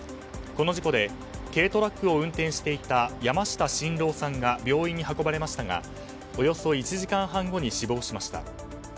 この事故で軽トラックを運転していた山下伸朗さんが病院に運ばれましたがおよそ１時間半後に死亡しました。